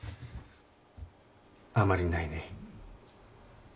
あまりないね。